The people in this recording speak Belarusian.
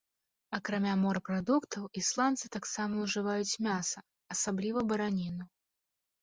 Акрамя морапрадуктаў ісландцы таксама ўжываюць мяса, асабліва бараніну.